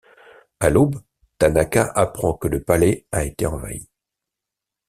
À l'aube, Tanaka apprend que le palais a été envahi.